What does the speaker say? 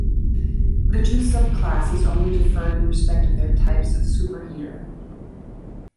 The two subclasses only differed in respect of their types of superheater.